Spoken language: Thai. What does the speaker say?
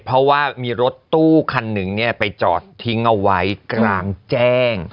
เพราะว่ามีรถตู้คันหนึ่งไปจอดทิ้งเอาไว้กลางแจ้ง